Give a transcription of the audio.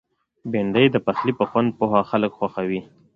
بېنډۍ د پخلي په خوند پوه خلک خوښوي